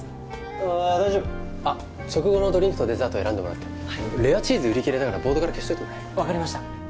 ああ大丈夫あっ食後のドリンクとデザート選んでもらってレアチーズ売り切れだからボードから消しといてもらえる分かりました